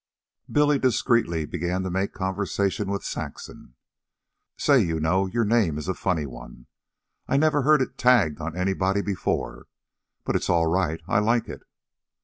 Billy discreetly began to make conversation with Saxon. "Say, you know, your name is a funny one. I never heard it tagged on anybody before. But it's all right. I like it."